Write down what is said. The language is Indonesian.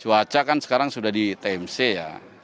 cuaca kan sekarang sudah di tmc ya